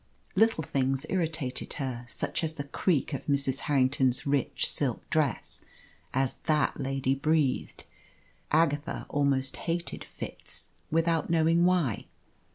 Little things irritated her such as the creak of Mrs. Harrington's rich silk dress as that lady breathed. Agatha almost hated Fitz, without knowing why.